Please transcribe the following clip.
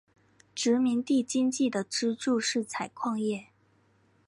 殖民地经济的支柱是采矿业。